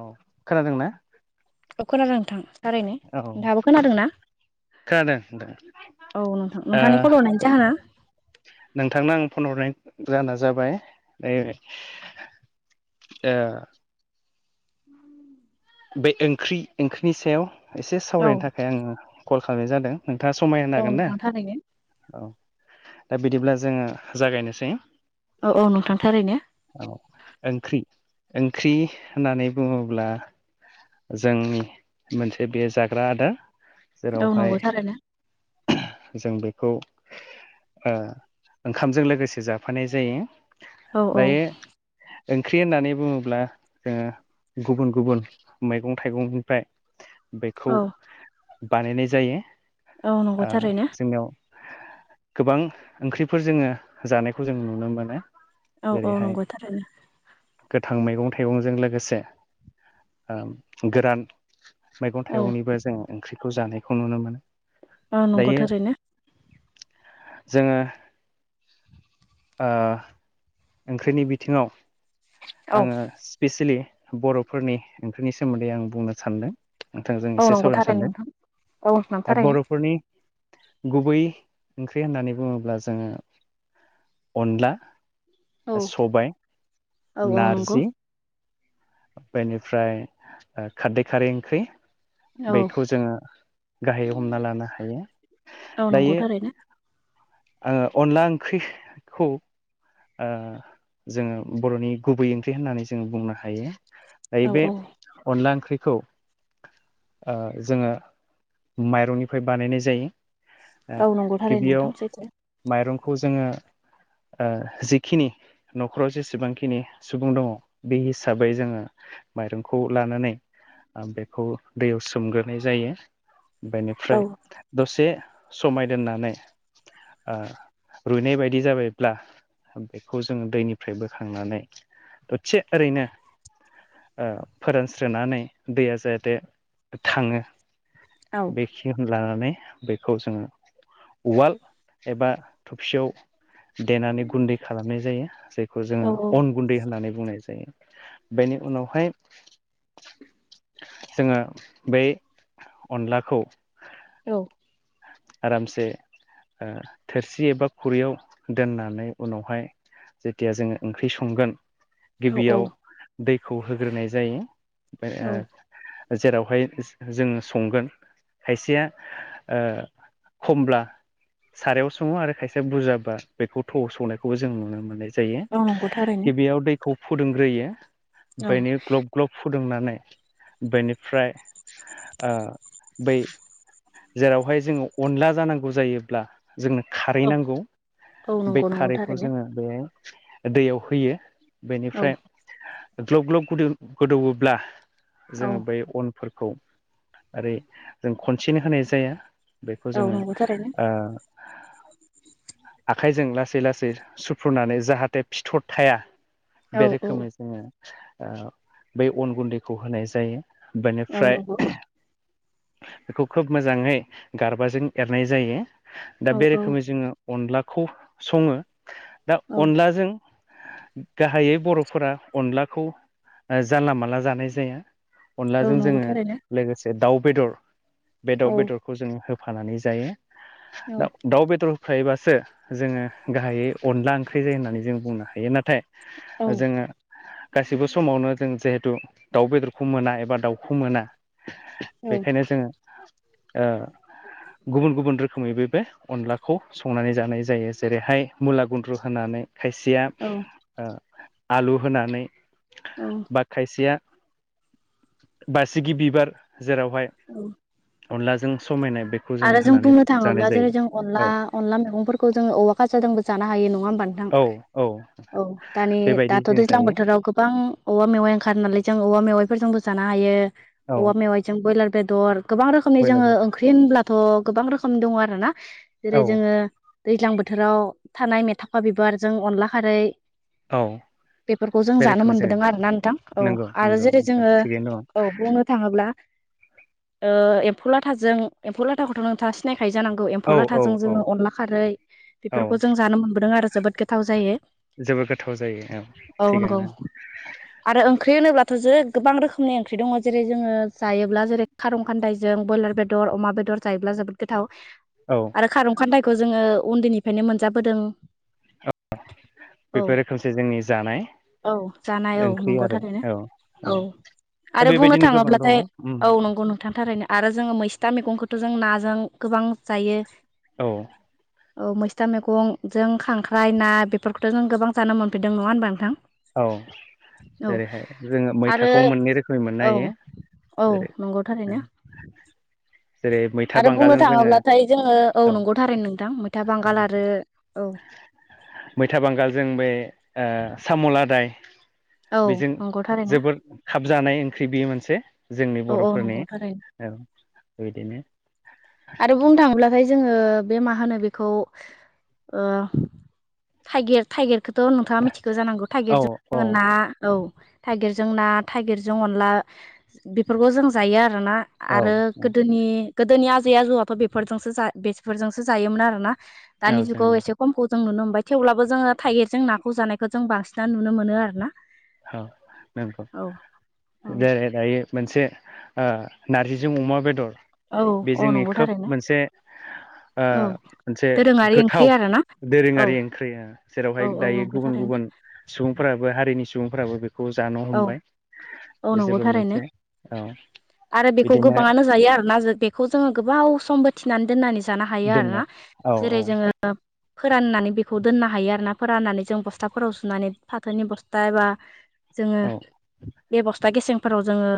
औ खोनादोंना? औ खोनादों नोंथां थारैनो। औ नोंथाबो खोनादों ना? खोनादों नोंथां औ नोंथां नोंथांनि कल ओ हरनायनि जाहोना नोंथांनो आं फन हरनाय जा जाबाय नै ए बे ओंख्रि ओंख्रिनि सायाव एसे औ सावरायनो थाखाय आंङो कल खालामनाय जादों। नोंथांङा समाय होनो औ हागोन ना? नोंथां थारैनो औ दा बिदिब्ला जोंङो जागायनोसै। औ औ नोंथां थारैनो औ ओंख्रि ओंख्रि होननानै बुंङोब्ला जोंनि मोनसे बे जाग्रा आदा औ नंगौ जेरावहाय थारैनो जों बेखौ ओ ओंखामजों लोगोसे जाफानाय जायो। औ औ दायो ओंख्रि होननानै बुंङोब्ला जोंङो गुबुन गुबुन मैगं थाइगंनिफ्राय बेखौ औ बानायनाय जायो। औ नंगौ ओ थारैनो जोंनियाव गोबां ओंख्रिफोर जों। ङो जानायखौ जों नुनो मोनो औ औ जेरैहाय नंगौ थारैनो गोथां मैगं थाइगंजों लोगोसे गोरान मैगं औ थाइगंनिबो जों ओंख्रिखौ जानायखौ नुनो मोनो। औ नंगौ थारैनो। जोंङो ओंख्रिनि बिथिङाव औ आंङो स्पेसियेलि बर'फोरनि ओंख्रिनि सोमोन्दै आं बुंनो सानदों। नोंथांजों औ एसे नंगौ सावरायनो थारैनो सानदों नोंथां औ नोंथां दा थारैनो बर'फोरनि गुबै ओंख्रि होननानै बुङोब्ला जोंङो अनला औ सबाय औ औ नंगौ नारजि बेनिफ्राय खारदै खारै ओंख्रि औ बैखौ जोङो गाहाय हमना लानो हायो औ नंगौ दायो थारैनो ओ आङो अनला ओंख्रिखौ ओ जोङो बर'नि गुबै ओंख्रि होननानै जोङो बुंनो हायो दायो औ बे औ अनला ओंख्रिखौ ओ जोङो माइरंनिफ्राय बानायनाय जायो ओ औ नंगौ थारैनो गिबियाव नोंथां सैथो माइरंखौ जोङो ओ जिखिनि न'खराव जेसेबांखिनि सुबुं दङ' बे हिसाब बै जोङो माइरंखौ लानानै बेखौ दैयाव सोमग्रोनाय जायो औ बेनिफ्राय दसे समाय दोननानै ओ रुइनाय बायदि जाबायब्ला बेखौ जोङो दैनिफ्राय बोखांनानै दसे ओरैनो ओ फोरानस्रोनानै दैया जाहाथे थाङो औ बेखि लानानै बेखौ जोङो उवाल एबा थफसियाव देनानै गुन्दै खालामनाय जायो खौ औ औ जोङो अन गुन्दै होननानै बुंनाय जायो बेनि उनावहाय जोङो बै अनलाखौ औ आरामसे थोरसि एबा खुरैयाव दोननानै उनावहाय जेतिया जोङो ओंख्रि संगोन औ गिबियाव दैखौ होग्रोनाय जायो बे औ ओ जेरावहाय जोङो संगोन खायसेया ओ खमब्ला सारायाव सङो आरो खायसेया बुरजाबा बेखौ थ'आव सौनायखौबो जों नुनो मोननाय जायो औ नंगौ थारैनो गिबियाव दैखौ फुदुंग्रोयो औ बेनो ग्लब ग्लब फुदुंनानै बेनिफ्राय ओ बै जेरावहाय जोङो अनला जानांगौ जायोब्ला जोंनो खारै औ नांगौ औ बे नंगौ नंगौ खारैखौ थारैनो जोङो बे दैयाव होयो औ बेनिफ्राय ग्लब ग्लब गोदौ गोदौब्ला औ जोङो बै अन फोरखौ ओरै जों खनसेनो होनाय जाया बेखौ औ जोङो नंगौ थारैनो ओ आखाइजों लासै लासै सुफ्रुनानै जाहाथे फिथर थाया औ बे औ रोखोमै जोङो ओ बै अन गुन्दैखौ होनाय जायो औ बेनिफ्राय नंगौ बेखौ खोब मोजाङै गारबाजों एरनाय जायो दा औ बे औ रोखोमै जोङो अनलाखौ सङो दा औ अनलाजों गाहायै बर'फोरा अनलाखौ जानला मानला जानाय जाया औ अनलाजों नंगौ जोङो थारैनो लोगोसे दाउ बेदर बे औ दाउ बेदरखौ जोङो हो फानानै जायो औ दा दाउ बेदर फ्रायबासो जोङो गाहायै अनला ओंख्रि जायो होननानै जों बुंनो हायो नाथाय औ जोङो गासिबो समावनो जों जिहेथु दाउ बेदरखौ मोना एबा दाउखौ मोना औ बेखायनो जोङो ओ गुबुन गुबुन रोखोमै बे बे अनला खौ संनानै जानाय जायो जेरैहाय मुला गुन्द्रु होनानै खायसेया औ ओ आलु होनानै औ बा खायसेया बासिगि बिबार जेरावहाय औ अनलाजों समायनाय बे आरो जों बुंनो थाङोब्ला जेरै जों अनला औ अनला मैगंफोरखौ जों औवा खाजाजोंबो जानो हायो नङा होमबानोथाङ औ औ औ दानि बेबायदि दाथ' जों दैज्लां जायो बोथोराव गोबां औवा मेवाइ ओंखार नालाय जों औवा मेवाइफोरजोंबो जानो हायो औ औवा मेवाइ जों बयलार बेदर गोबां रोखोमनि जोङो बयलारबो ओंख्रि होनब्लाथ' गोबां रोखोमनि दङ आरो ना जेरै औ जोङो दैज्लां बोथोराव थानाय मेथाफा बिबारजों अनला खारै औ बेफोरखौ जों बे जानो रोखोमै जोङो मोनबोदों आरोना नोंथां औ नंगौ आरो नंगौ जेरै नोंथां जोङो थिगैनो दङ औ बुंनो थाङोब्ला ओ एम्फौ लाथाजों एमफौ लाथाखौथ' नों सिनायखायो जानांगौ औ एम्फौ औ लाथाजों औ जोङो अनला खारै औ बेफोरखौ जों जानो मोनबोदों आरो जोबोद गोथा गोथाव जायो जोबोद गोथाव जायो औ थिगानो आरो ओंख्रि होनोब्लाथ' जे गोबां रोखोमनि ओंख्रि दङ जेरै जोङो जायोब्ला जेरै खार खान्दायजों बयलार बेदर अमा बेदर जायोब्ला जोबोद गोथाव औ आरो खारं खान्दाइखौ जोङो उन्दैनिफ्रायनो मोनजाबोदों औ औ बेफोर रोखोमसे जोंनि जानाय औ जानाय औ ओंख्रि नंगौ आरो थारैनो औ औ दा आरो बुंनो बेबायदिनो गोबां दङ थाङोब्लाथाय उम औ नंगौ नोंथांनि थाखायारैनो आरो जोङो मैस्था मैगंखौथ' जों ना जों गोबां जायो औ औ मैस्था मैगं जों खांख्राइ ना बेफोरखौथ' जों गोबां जानो मोनफिनदों नङा होनबा नोंथां औ औ जेरैहाय जोङो आरो मैथाखौ मोननै रोखोमै मोननो औ हायो औ जेरै नंगौ थारैनो जेरै मैथा आरो बुंनो बांगालजों जोङो थाङोब्लाथाय जोङो औ नंगौथारै नोंथां मैथा बांगाल आरो औ मैथा बांगालजों बे ओ साम'लादाय औ बेजों नंगौ थारैनो जोबद खाब जानाय ओंख्रि बियो मोनसे जोंनि औ औ बर'फोरनि नंगौ थारैनो औ बिदिनो आरो बुंनो थाङोब्लाथाय जोङो बे मा होनो बेखौ ओ थाइगिर थाइगिरखौथ' नोंथाङा मिथिगौ जानांगौ औ थाइगेरजों औ जोङो ना औ थाइगिरजों ना थाइगिरजों अनला बेफोरखौ जों जायो आरोना औ आरो गोदोनि गोदोनि आजै आजौवो बेफोरजोंसो बेफोरजोंसो जायोमोन आरोना दानि जुवा जोंनि एसे खमखौ जों नुनो मोनबाय थेवब्लाबो जोङो थाइगिरजों नाखौ जानायखौ जों बांसिन नुनो मोनो आरो ना औ नंगौ औ बे दायो मोनसे ओ नारजिजों अमा बेदर औ बे औ जोंनि नंगौ खोब थारैनो मोनसे ओ औ मोनसे दोरोङारि ओंख्रि गोथाव आरोना औ दोरोङारि ओंख्रि आ औ जेरावहाय औ दायो नंगौ गुबुन थारैनो गुबुन सुबुंफोराबो हारिनि सुबुंफोराबो बेखौ जानो औ हमबाय औ बे नंगौ जोबोर थारैनो मोनसे औ आरो बेखौ बिदिनो गोबाङानो जायो आरोना बेखौ जोङो गोबाव सम बो थिनानै दोननानै जानो हायो दोननो आरोना औ जेरै औ जोङो फोराननानै बेखौ दोननो हायो आरोना फोराननानै जों बस्थाफोराव सुनानै फाथोनि बस्था एबा जोङो औ बेबस्था गेसें फोराव जोङो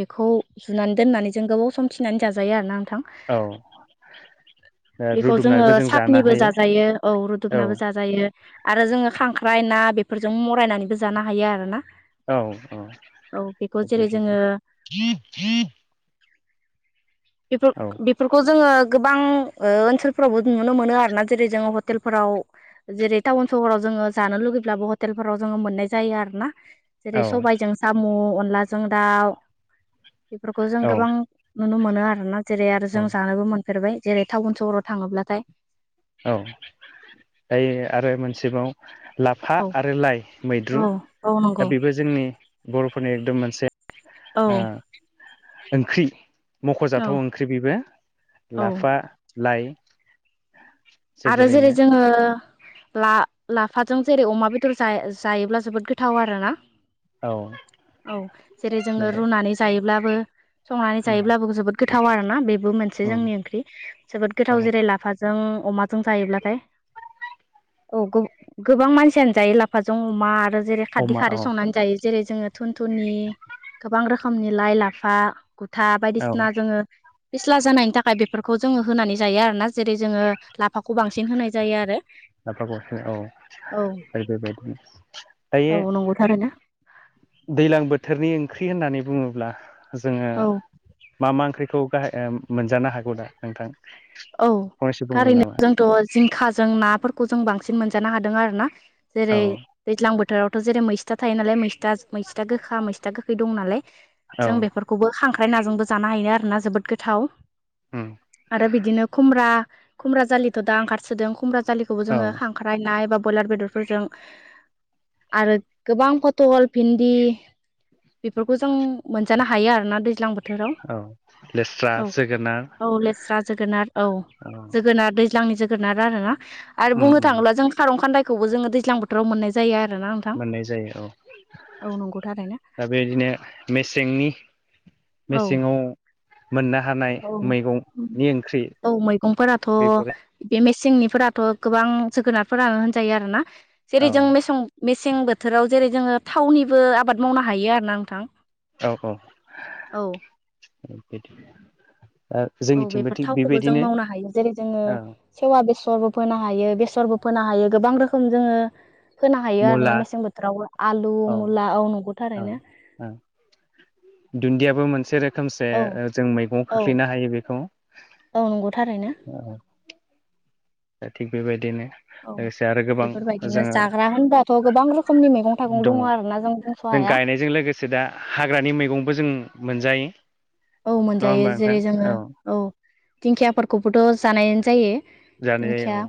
बेखौ जुनानै दोननानै जों गोबाव सम थिनानै जाजायो आरोना नोंथां। औ। बेखौ जोङो रुदुमनानैबो जों जानो साखनिबो हायो जाजायो औ औ रुदुमनाबो जाजायो। आरो जोङो खांख्राइ ना बेफोरजों मरायनानैबो जानो हायो आरोना। औ औ। औ बेखौ जेरै जोङो बिफो औ बिब [inaudible] फोरखौ जोङो गोबां ओ ओनसोलफोरावबो नुनो मोनो आरोना जेरै जोङो हटेलफोराव जेरै टाउन सहराव जोङो जानो लुुबैब्लाबो हटेलफोराव जोङो मोननाय जायो आरो ना। औ जेरै सबायाइजों साम' अनलाजों दाउ बेफोरखौ जों औ गोबां नुनो मोनो आरोना जेरै आरो जों जा नोबो मोनफेरबाय जेरै टाउन सहराव थाङोब्लाथाय औ दायो आरो मोनसेबाव लाफा औ आरो लाइ औ मैद्रु औ नंगौ दा बेबो जोंनि बर'फोरनि एकदुम मोनसे औ आ ओंख्रि औ मख'जाथाव ओंख्रि बेबो औ लाफा लाइ आरो जेरै जोबोरैनो जोङो ला लाफाजों जेरै अमा बेदर जाय-जायोब्ला जोबोद गोथाव आरो ना। औ औ जेरै जोङो दे रुनानै जायोब्लाबो संनानै जायोब्लाबो जोबोद गोथाव आरोना बेबो मोनसे उम जोंनि ओंख्रि जोबोद गोथाव औ जेरै लाफा जों अमाजों जायोब्लाथाय औ गु गोबां मानसियानो जायो लाफाजों अमा आरो जेरै खारदै अमा खारै औ संनानै जायो जेरै जोङो थुन थुनुनि गोबां रोखोमनि लाइ लाफा था औ बायदिसिना जोङो फिस्ला जानायनि थाखाय बेफोरखौ जोङो होनानै जायो आरोना जेरै जोङो लाफाखौ बांसिन होनाय जायो आरो। लाफा ग'से औ औ [inaudible] औ नंगौ थ'आरोना। दैलां बोथोरनि ओंख्रि होननानै बुङोब्ला जोङो औ मा मा ओंख्रिखौ गाहाय मोनजानो हागौ दा नोंथां? औ फंनैसो बुंगोन खारैनो नामा जोंथ' जिंखाजों नाफोरखौ जों बांसिन मोनजानो हादों आरो ना। औ जेरै दैज्लां बो थोरावथ' जेरै मैस्था थायो नालाय मैस्था मैस्था गोखा मैस्था गोखै दं नालाय औ जों बेफोर खौबो खांख्राय नाजोंबो जानो हायोनो आरोना जोबोद गोथाव। उम आरो बिदिनो खुमब्रा खुमब्रा जालिथ' दा ओंखारसोदों खुमब्रा जालिखौबो औ जोङो हां ख्रायनाय बा ब्रयलार बेदरफोरजों आरो गोबां फट'ल भिन्दि बेफोरखौ जों मोनजानो हायो आरोना दैज्लां बो थोराव औ लेस्रा औ जोगोनार औ लेस्रा जोगोनाद औ जोगोनाद दैज्लांनि जोगोनार आरोना आरो उम बुंनो उम थाङोब्ला जों खारं खान्दायखौबो जोङो दैज्लां बोथाव मोननाय जायो आरोना नोंथां मोननाय जायो। औ औ नंगौ थारैनो दा बेबायदिनो मेसेंनि औ मेसेङाव मोननो हानाय औ मैगंनि ओंख्रि औ मैगंफोराथ' बेफोरो बे मेसेंनिफोराथ' गोबां जोगोनारफोरानो होनजायो आरोना औ जेरै जों मेसें मेसें बोथोराव जेरै जोङो थावनिबो आबाद मावनो हायो आरो ना नोंथां। औ औ बिदि औ जोंनिथिंबो बेफोर थिग थावखौबो जों बेबायदिनो मावनो हायो जेरै जोङो औ सेवा बेसरबो फोनो हायो बेसरबो फोनो हायो गोबां रोखोम जोङो फोनो हायो आरोना मुला मेसें बोथोराव आलु मुला औ नंगौथारैनो। ओ दुन्दियाबो मोनसे रो रोखोमसे औ जों मैगंआव औ खोख्लैनो हायो बेखौ औ नंगौ थारैनो दा थिग बेबायदिनो औ लोगोसे आरो गोबां बेफोरबायदिनो जोङो जाग्रा होनबाथ' गोबां रोखोमनि मैगं थाइगं दङ आरो ना जों बुंस' हाया गायनायजों लोगोसे दा हाग्रानि मैगंबो जों मोनजायो औ नङा मोनजायो होमबा जेरै नोंथां जोङो औ दिंखियाफोरखौबोथ' जानायानो जायो जानाय दिंखिया जायो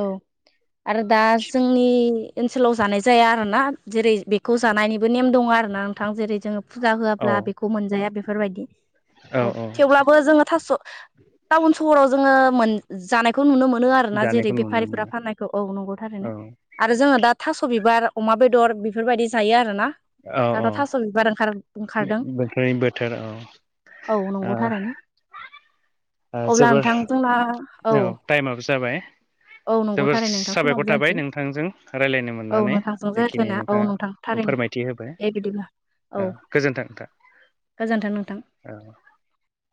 औ आरो दा जोंनि ओनसोलाव जानाय जाया आरोना जेरै बेखौ जानायनिबो नेम दङ आरोना नोंथां जेरै जोङो फुजा औ होआब्ला बेखौ मोनजाया बेफोरबायदि औ थेवब्लाबो जोङो थास' टाउन सहराव जोङो मोन जानायखौ नुनो मोनो आरो ना जेरै जानायखौ नुनो बेफारिफोरा मोनो फाननायखौ औ नंगौथारैनो औ आरो जोङो दा थास' बिबार अमा बेदर बेफोरबायदि जायो आरोना। दाथ' थास' बिबार ओंखार ओंखारदों। ओमफ्राय बो थोर औ नंगौथारैनो ओ अब्ला जोबोर नोंथां जोंना औ टाइमाबो जाबाय। औ नंगौ जोबोर थारैनो नोंथां साबायखर समाबो थाबाय जानोसै नोंथांजों राय्लायनो औ मोननानै नोंथांजों जेखिनि रायज्लायना औ नोंथाङा नोंथां थारैनो देबिदिब्ला औ गोजोन्थों नोंथां। गोजोन्थों नोंथां। औ